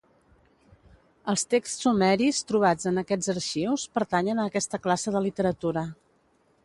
Els texts sumeris trobats en aquests arxius pertanyen a aquesta classe de literatura.